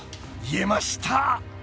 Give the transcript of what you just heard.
［言えました］